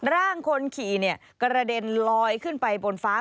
ร่างคนขี่กระเด็นลอยขึ้นไปบนฟ้า